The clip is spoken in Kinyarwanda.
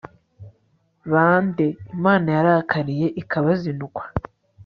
ba nde Imana yarakariye ikabazinukwa